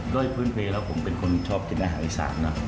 ก้อยเพื่อนเพลงแล้วผมเป็นคนชอบกินอาหารอีสานนะ